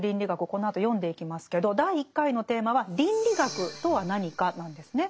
このあと読んでいきますけど第１回のテーマは「倫理学とは何か」なんですね。